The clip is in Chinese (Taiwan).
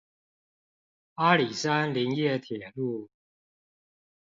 阿里山林業鐵路